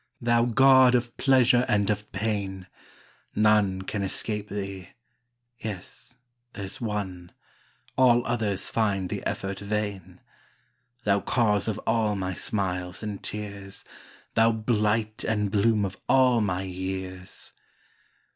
Thou god of pleasure and of pain ! None can escape thee yes there s one All others find the effort vain : Thou cause of all my smiles and tears ! Thou blight and bloom of all my years ! 70 LINES.